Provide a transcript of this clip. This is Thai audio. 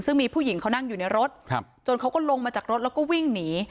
ซึ่งมีผู้หญิงเขานั่งอยู่ในรถจนเขาก็ลงมาจากรถแล้วก็วิ่งหนี